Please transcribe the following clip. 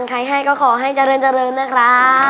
ใครให้ก็ขอให้เจริญนะคะ